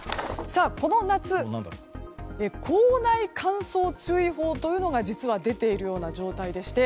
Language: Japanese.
この夏口内乾燥注意報というのが実は出ているような状態でして。